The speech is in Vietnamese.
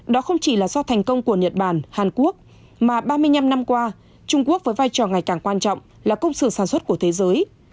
đó không chỉ là do thành công của nhật bản hàn quốc mà ba mươi năm năm qua trung quốc với vai trò ngày càng quan trọng là công sự sản xuất của thế giới